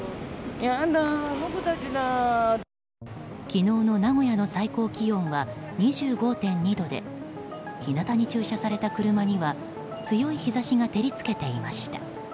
昨日の名古屋の最高気温は２５．２度で日なたに駐車された車には強い日差しが照り付けていました。